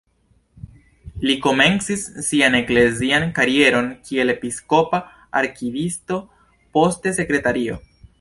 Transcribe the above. Li komencis sian eklezian karieron kiel episkopa arkivisto, poste sekretario.